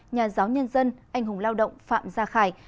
nhà giáo nhân dân anh hùng lao động phạm gia khải